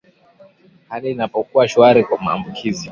hali inapokuwa shwari kwa maambukizi